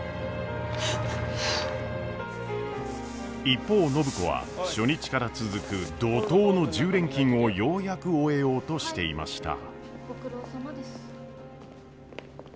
一方暢子は初日から続く怒とうの１０連勤をようやく終えようとしていました。